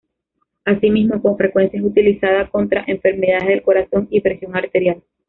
Asimismo, con frecuencia es utilizada contra enfermedades del corazón y presión arterial.